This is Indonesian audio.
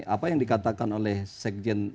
apa yang dikatakan oleh sekjen